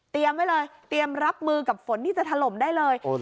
ไว้เลยเตรียมรับมือกับฝนที่จะถล่มได้เลย